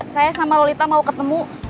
saya sama lolita mau ketemu